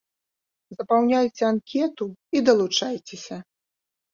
Запаўняйце анкету і далучайцеся.